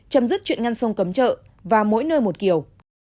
chấm dứt chuyện ngăn sông cấm chợ và mỗi nơi một kiểu